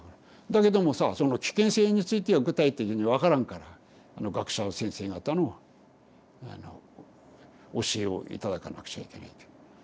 だけどもさその危険性については具体的に分からんから学者先生方の教えを頂かなくちゃいけないという。